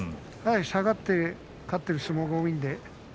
下がって勝っている相撲が多いので。